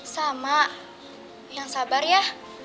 sama jangan sabar ya